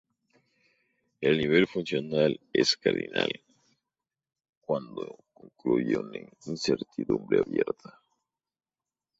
El nivel funcional es cardinal cuando concluye una incertidumbre abierta.